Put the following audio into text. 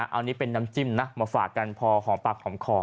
อันนี้เป็นน้ำจิ้มนะมาฝากกันพอหอมปากหอมคอ